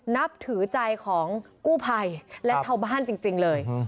นับถือใจของกู้ภัยและชาวบ้านจริงเลย